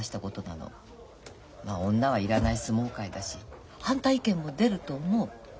まあ女はいらない相撲界だし反対意見も出ると思う。